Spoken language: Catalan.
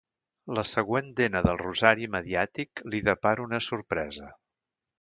La següent dena del rosari mediàtic li depara una sorpresa.